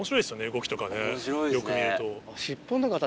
動きとかねよく見ると。